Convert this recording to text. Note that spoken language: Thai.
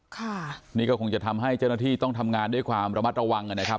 ค่ะนี่ก็คงจะทำให้เจ้าหน้าที่ต้องทำงานด้วยความระมัดระวังนะครับ